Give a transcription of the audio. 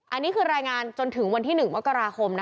อันนี้คือรายงานจนถึงวันที่๑มกราคม